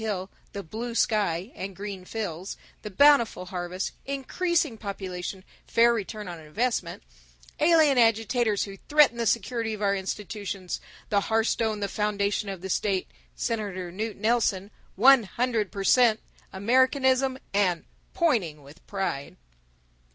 Hill, the Blue Sky, the Green Fields, the Bountiful Harvest, Increasing Population, Fair Return on Investments, Alien Agitators Who Threaten the Security of Our Institutions, the Hearthstone the Foundation of the State, Senator Knute Nelson, One Hundred Per Cent. Americanism, and Pointing with Pride.